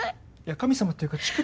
神様っていうか乳首。